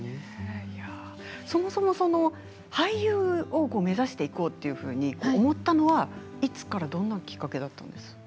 そもそも、俳優を目指していこうというふうに思ったのはいつからどんなきっかけだったんですか。